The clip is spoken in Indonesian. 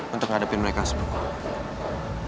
untuk ngadepin mereka semua